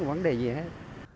một vấn đề gì hết